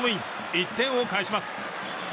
１点を返します。